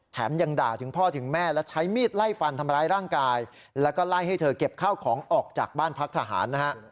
ยังด่าถึงพ่อถึงแม่และใช้มีดไล่ฟันทำร้ายร่างกายแล้วก็ไล่ให้เธอเก็บข้าวของออกจากบ้านพักทหารนะฮะ